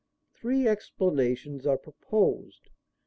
Three explanations are proposed.